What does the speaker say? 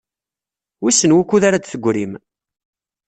Wissen wukud ara d-teggrim?